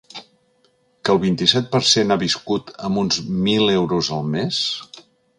Que el vint-i-set per cent ha viscut amb uns mil euros el mes?